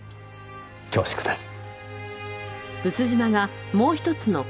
恐縮です。